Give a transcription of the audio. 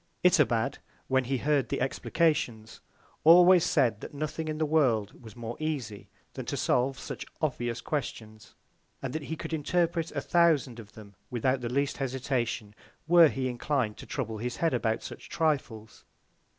Itobad, when he heard the Explications, always said that nothing in the World was more easy, than to solve such obvious Questions; and that he could interpret a thousand of them without the least Hesitation, were he inclin'd to trouble his Head about such Trifles.